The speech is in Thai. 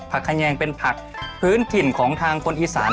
คันแยงเป็นผักพื้นถิ่นของทางคนอีสาน